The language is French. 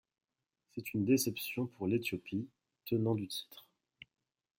C'est une déception pour l'Éthiopie, tenant du titre.